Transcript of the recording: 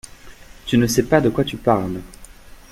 Tu ne sais pas de quoi tu parles.